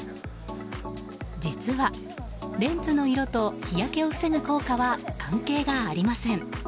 実は、レンズの色と日焼けを防ぐ効果は関係がありません。